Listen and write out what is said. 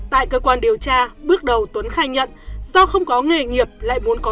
tại cơ quan điều tra bước đầu tuấn khai nhận do không có nghề nghiệp lại muốn có